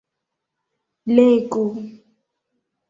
legu